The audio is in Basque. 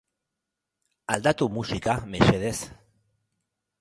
Aldatu musika, mesedez.